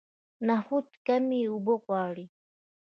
نخود کمې اوبه غواړي.